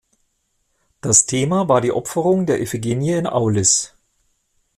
Das Thema war die Opferung der Iphigenie in Aulis.